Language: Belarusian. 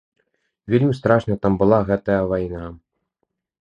Вельмі страшная там была гэтая вайна.